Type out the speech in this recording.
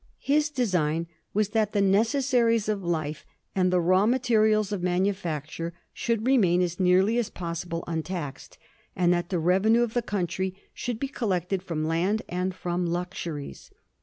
His design was that the necessaries of life and the raw materials of manufacture should remain as nearly as possible untaxed, and that the revenue of the country should be collected from land and from luxuries.